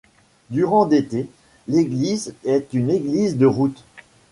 Durant d'été, l'église est une église de route.